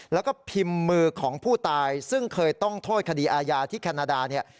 แล้วก็พิมพ์มือของผู้ตายซึ่งเคยต้องโทษคดีอาญาที่แคนาดาเนี่ย